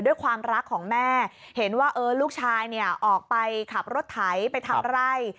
ด้วยความรักของแม่เห็นว่าลูกชายเนี่ยออกไปขับรถไถไปทำไร่